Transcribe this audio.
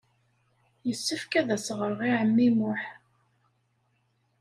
Yessefk ad as-ɣreɣ i ɛemmi Muḥ.